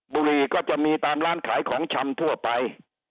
บุรีก็จะมีตามร้านขายของชำทั่วไป